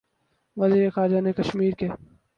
وزیر خارجہ نے کشمیر کے